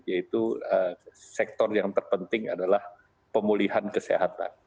yaitu sektor yang terpenting adalah pemulihan kesehatan